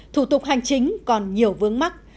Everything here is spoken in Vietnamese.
thủ tục hành chính còn nhiều vướng mắt